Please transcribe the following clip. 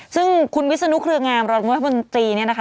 ซึ่งคุณวิศนุเครืองามรองรัฐมนตรีเนี่ยนะคะ